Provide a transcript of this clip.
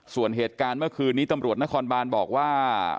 ส่วนเหตุการณ์เมื่อคืนนี้ตำรวจนครบานบอกว่า